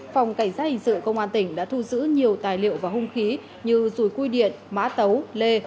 phòng cảnh sát hình sự công an tỉnh đã thu giữ nhiều tài liệu và hung khí như rùi cui điện mã tấu lê